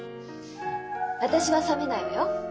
私は冷めないわよ。